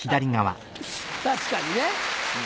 確かにね。